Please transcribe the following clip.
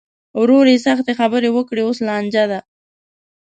وروسته یې سختې خبرې وکړې؛ اوس لانجه ده.